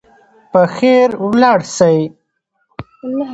په خیر ولاړ سئ.